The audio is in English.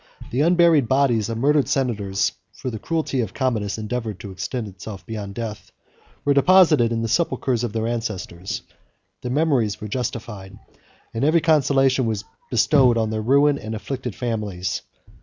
The unburied bodies of murdered senators (for the cruelty of Commodus endeavored to extend itself beyond death) were deposited in the sepulchres of their ancestors; their memory was justified and every consolation was bestowed on their ruined and afflicted families.